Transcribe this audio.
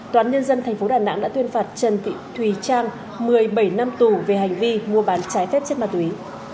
tòa án nhân dân tp đà nẵng đã tuyên phạt trần thị thùy trang một mươi bảy năm tù về hành vi mua bán trái phép xét ma túy